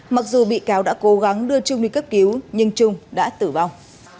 mặc dù bị cáo đã cố gắng đưa trung đi cấp cứu nhưng trung đã tử vong